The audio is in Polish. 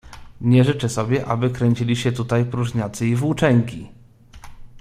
"Nie życzę sobie, aby kręcili się tu próżniacy i włóczęgi."